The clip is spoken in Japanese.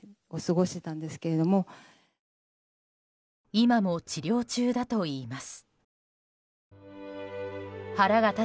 今も治療中だといいます。